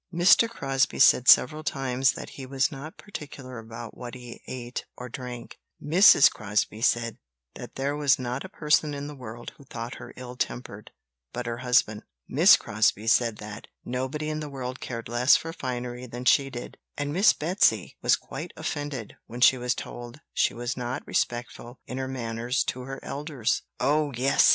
Mr. Crosbie said several times that he was not particular about what he ate or drank; Mrs. Crosbie said that there was not a person in the world who thought her ill tempered but her husband; Miss Crosbie said that nobody in the world cared less for finery than she did; and Miss Betsy was quite offended when she was told she was not respectful in her manners to her elders." "Oh, yes!"